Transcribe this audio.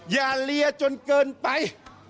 อย่าเลียจนเกินไป